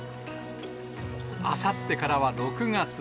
あさってからは６月。